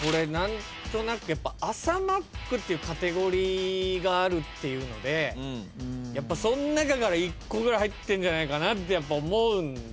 朝マックっていうカテゴリーがあるっていうのでやっぱそん中から１個ぐらい入ってんじゃないかなって思う。